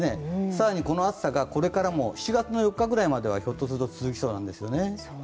更にこの暑さがこれからも７月の４日ぐらいまでは続きそうなんですよね。